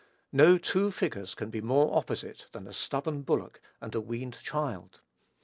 No two figures can be more opposite than a stubborn bullock and a weaned child.